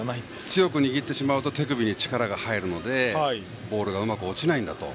強く握ってしまうと手首が落ちてしまうのでボールがうまく落ちないんだと。